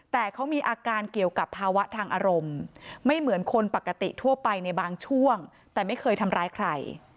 แต่เขามีอาการเกี่ยวกับภาวะทางอารมณ์ไม่เหมือนคนปกติทั่วไปในบางช่วงแต่ไม่เคยทำร้ายใคร